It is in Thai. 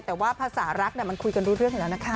แต่ว่าภาษารักมันคุยกันรู้เรื่องอยู่แล้วนะคะ